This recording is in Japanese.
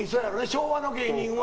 昭和の芸人は。